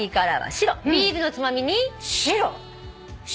白！？